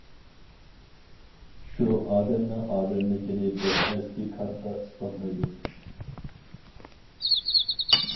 شۇ ئادەمنىڭ ئادەملىكىنى بىر ئەسكى كارتا ئىسپاتلايدۇ.